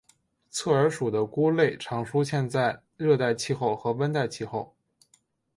侧耳属的菇类常出现在热带气候和温带气候。